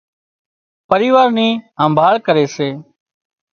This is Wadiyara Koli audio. پريوار نِي همڀاۯ ڪري سي